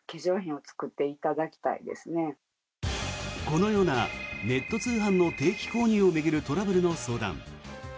このようなネット通販の定期購入を巡るトラブルの相談。